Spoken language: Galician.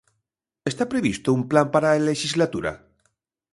¿Está previsto un plan para a lexislatura?